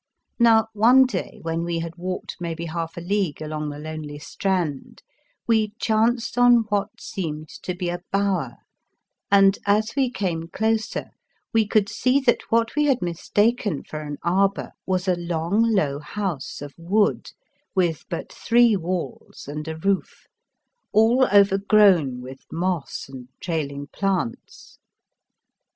Now, one day when we had walked maybe half a league along the lonely strand, we chanced on what seemed to be a bower, and, as we came closer, we could see that what we had mis taken for an arbour was a long low house of wood with but three walls and a roof, all overgrown with moss and trailing plants.